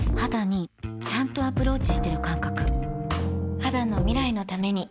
肌の未来のために